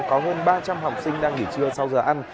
có hơn ba trăm linh học sinh đang nghỉ trưa sau giờ ăn